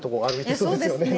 そうですね。